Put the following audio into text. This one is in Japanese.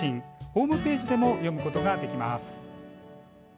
ホームページでも読むことができます。